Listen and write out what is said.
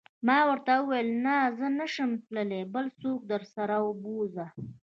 ما ورته وویل: نه، زه نه شم تلای، بل څوک درسره و بوزه.